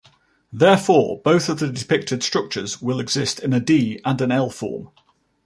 Therefore, both of the depicted structures will exist in a D- and an L-form.